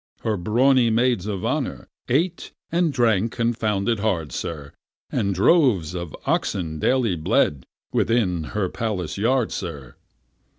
Her brawny maids of honour ate and drank confounded hard, sir, And droves of oxen daily bled within her palace yard, sir!